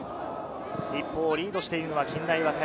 一方、リードしているのは近大和歌山。